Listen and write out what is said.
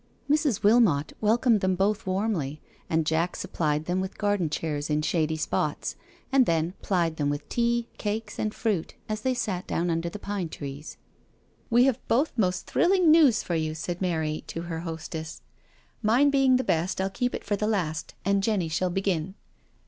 Mrs. Wilmot welcomed them both warmly, and Jack supplied them with garden chairs in shady spots, and then plied them with tea, cakes, and fruit as they sat down under the pine trees. " We have both most thrilling news for you," said Mary to her hostess. " Mine being the best, I'll keep it for the last, and Jenny shall begin."